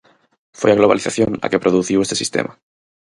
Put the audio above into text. Foi a globalización a que produciu este sistema.